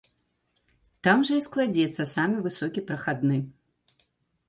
Там жа і складзецца самы высокі прахадны.